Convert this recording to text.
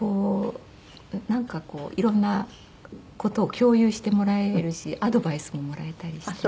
なんかこう色んな事を共有してもらえるしアドバイスももらえたりして。